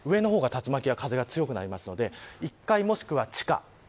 上の方が竜巻は風が強くなるので１階もしくは地下。